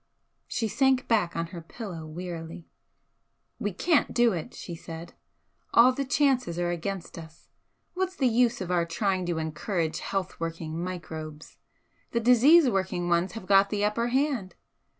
She sank back on her pillow wearily. "We can't do it," she said "All the chances are against us. What's the use of our trying to encourage 'health working microbes'? The disease working ones have got the upper hand.